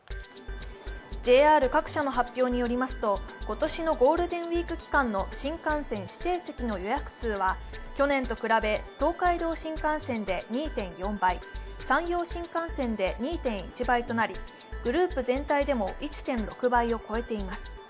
ＪＲ各社の発表によりますと、今年のゴールデンウイーク期間の新幹線指定席の予約数は去年と比べ、東海道新幹線で２．４倍、山陽新幹線で２．１倍となり、グループ全体でも１．６倍を超えています。